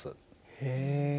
へえ。